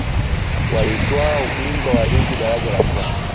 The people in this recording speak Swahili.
walitwaa ubingwa wa ligi daraja la kwanza